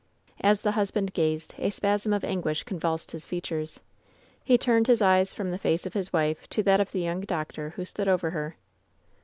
As the husband gazed a spasm of anguish convulsed his features. He turned his eyes from the face of his wife to that of the young doctor who stood over her.